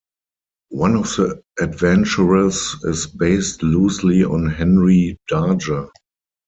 One of the adventurers is based loosely on Henry Darger.